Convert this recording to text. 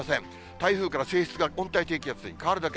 台風から性質が温帯低気圧に変わるだけ。